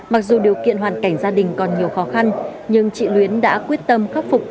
mặc dù điều kiện hoàn cảnh gia đình còn nhiều khó khăn nhưng chị luyến đã quyết tâm khắc phục